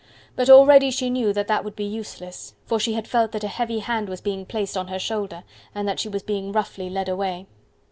But already she knew that that would be useless, for she had felt that a heavy hand was being placed on her shoulder, and that she was being roughly led away.